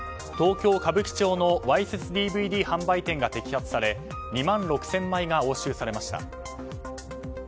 東京・歌舞伎町のわいせつＤＶＤ販売店が摘発され２万６０００枚が押収されました。